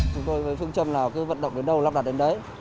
chúng tôi với phương trâm cứ vận động đến đâu lắp đặt đến đấy